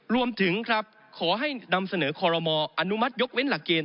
รวมถึงครับขอให้นำเสนอคอรมออนุมัติยกเว้นหลักเกณ